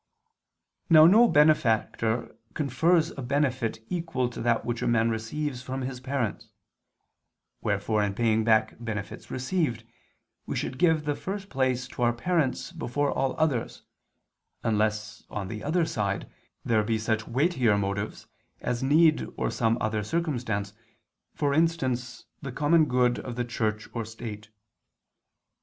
Now no benefactor confers a benefit equal to that which a man receives from his parents: wherefore in paying back benefits received, we should give the first place to our parents before all others, unless, on the other side, there be such weightier motives, as need or some other circumstance, for instance the common good of the Church or state.